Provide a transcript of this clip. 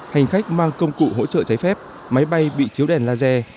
hành khách mang công cụ hỗ trợ trái phép máy bay bị chiếu đèn laser